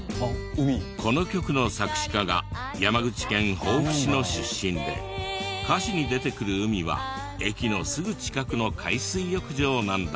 この曲の作詞家が山口県防府市の出身で歌詞に出てくる海は駅のすぐ近くの海水浴場なんだとか。